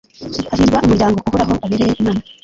hahirwa umuryango Uhoraho abereye Imana